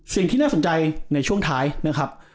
สิ่งที่น่าสนใจในช่วงท้ายนะครับ